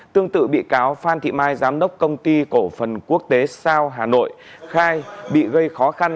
tương tự bị cáo phan thị mai giám đốc công ty cổ phần quốc tế sao hà nội khai bị gây khó khăn